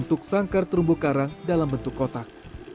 untuk sangkar terumbu karang dalam bentuk kotak